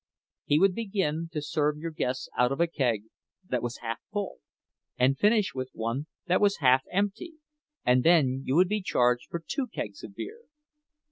He would begin to serve your guests out of a keg that was half full, and finish with one that was half empty, and then you would be charged for two kegs of beer.